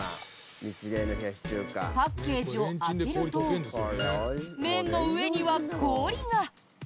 パッケージを開けると麺の上には氷が！